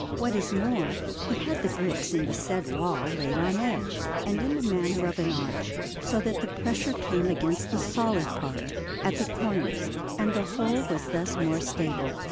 What is more, he had the bricks in the said wall laid on edge and in the manner of an arch, so that the pressure came against the solid part, at the corners, and the whole was thus more stable.